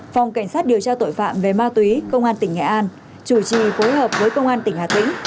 phòng cảnh sát điều tra tội phạm về ma túy công an tỉnh nghệ an chủ trì phối hợp với công an tỉnh hà tĩnh